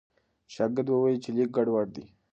شاګرد وویل چې لیک ګډوډ دی.